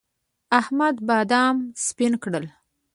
احمد بادام سپين کړل.